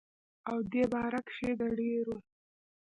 او دې باره کښې دَ ډيرو